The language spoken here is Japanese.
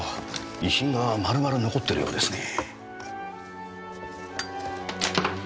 遺品が丸々残ってるようですね。